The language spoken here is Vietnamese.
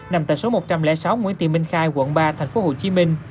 nằm tại số một trăm linh sáu nguyễn tị minh khai quận ba tp hcm